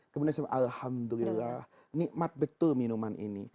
kemudian saya bilang alhamdulillah nikmat betul minuman ini